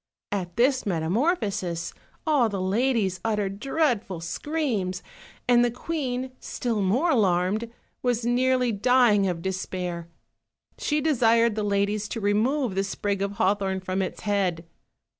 At this metamorphosis all the ladies uttered dreadful screams, and the queen, still more alarmed, was nearly dying of despair; she desired the ladies to remove the sprig of hawthorn from its head.